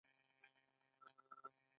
لویې شتمنۍ په دې بحرانونو کې له منځه ځي